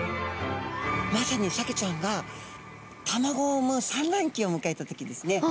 まさにサケちゃんが卵を産むさんらんきをむかえた時ですね。